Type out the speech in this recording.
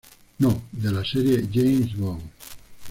No" de la serie James Bond.